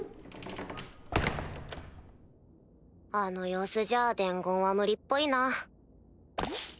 あの様子じゃ伝言は無理っぽいな。